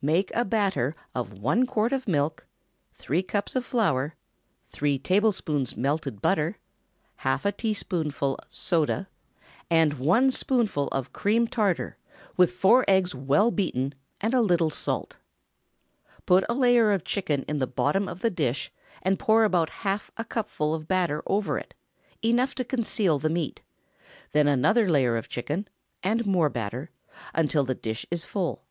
Make a batter of one quart of milk, three cups of flour, three tablespoonfuls melted butter, half a teaspoonful soda, and one spoonful of cream tartar, with four eggs well beaten, and a little salt. Put a layer of chicken in the bottom of the dish, and pour about half a cupful of batter over it—enough to conceal the meat; then, another layer of chicken, and more batter, until the dish is full.